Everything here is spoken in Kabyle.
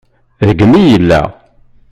Deg-m i yella.